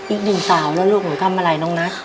อีกหนึ่งสาวแล้วลูกหนูทำอะไรน้องนัท